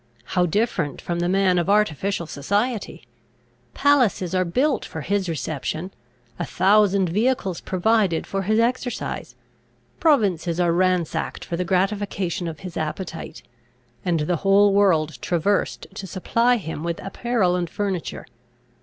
How different from the man of artificial society! Palaces are built for his reception, a thousand vehicles provided for his exercise, provinces are ransacked for the gratification of his appetite, and the whole world traversed to supply him with apparel and furniture.